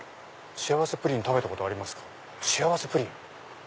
幸せプリン？